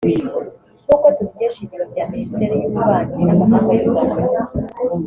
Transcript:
nk’uko tubikesha Ibiro bya Minisiteri y’Ububanyi n’Amahanga y’u Rwanda